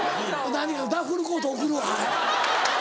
ダッフルコート送るわ。